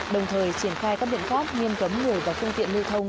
đồng thời triển khai các biện pháp nghiêm cấm người và phương tiện lưu thông